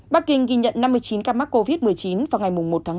bắc kinh ghi nhận năm mươi chín ca mắc covid một mươi chín vào ngày một tháng năm